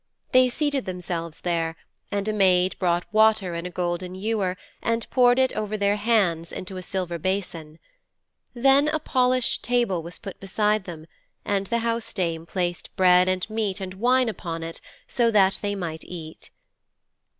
They seated themselves there, and a maid brought water in a golden ewer and poured it over their hands into a silver basin. Then a polished table was put beside them, and the housedame placed bread and meat and wine upon it so that they might eat.